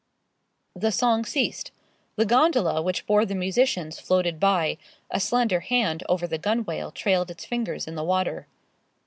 The song ceased. The gondola which bore the musicians floated by a slender hand over the gunwale trailed its fingers in the water.